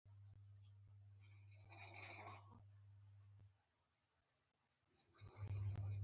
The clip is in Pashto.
اروپایانو به پخوا مجرمان خپلو مستعمرو ته استول.